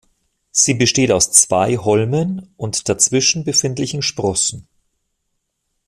Sie besteht aus zwei Holmen und dazwischen befindlichen Sprossen.